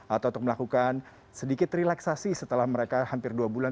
atau untuk melakukan sedikit relaksasi setelah mereka hampir dua bulan